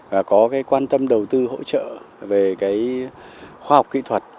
và có cái quan tâm đầu tư hỗ trợ về cái khoa học kỹ thuật